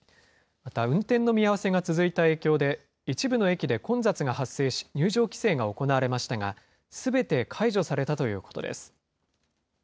また、運転の見合わせが続いた影響で、一部の駅で混雑が発生し、入場規制が行われましたが、すべて解除されたということです。